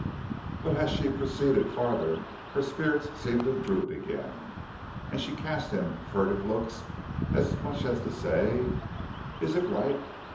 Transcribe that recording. But as she proceeded farther her spirits seemed to droop again, and she cast him furtive looks as much as to say: "Is it right?